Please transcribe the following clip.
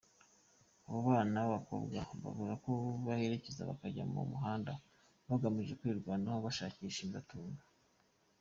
Abo bana b’abakobwa babura aho berekeza bakajya mu muhanda bagamije kwirwanaho bashakisha ibibatunga.